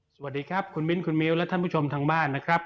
สวัสดีครับคุณมิ้นคุณมิ้วและท่านผู้ชมทางบ้านนะครับ